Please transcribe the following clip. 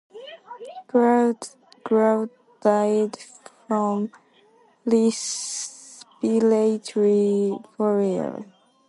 Grau died from respiratory failure.